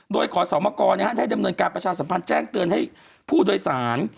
โดยขอสมกรได้ดำเนินการประชาสัมพันธ์แจ้งเตือนให้ผู้โดยสาร